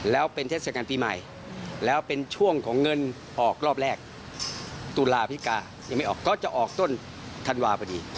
แล้วเป็นเทศกาลปีใหม่แล้วเป็นช่วงของเงินออกรอบแรกตุลาพิกายังไม่ออกก็จะออกต้นธันวาพอดี